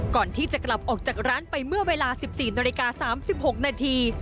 ก่อนที่จะกลับออกจากร้านไปเมื่อเวลาสิบสี่นาฬิกาสามสิบหกนาที